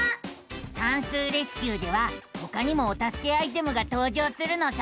「さんすうレスキュー！」ではほかにもおたすけアイテムがとう場するのさ。